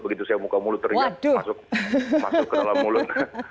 begitu saya muka mulut teriak masuk ke dalam mulut